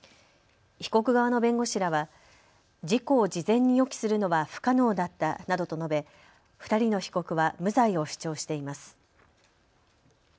被告側の弁護士らは事故を事前に予期するのは不可能だったなどと述べ２人の被告は無罪を主張しています。